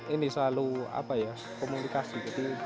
ini selalu komunikasi